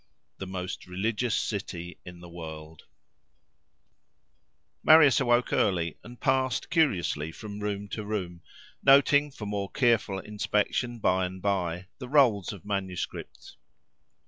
"THE MOST RELIGIOUS CITY IN THE WORLD" Marius awoke early and passed curiously from room to room, noting for more careful inspection by and by the rolls of manuscripts.